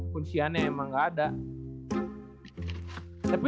punciannya emang gak ada